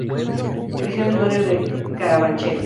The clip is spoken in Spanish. Creció en el barrio de Carabanchel.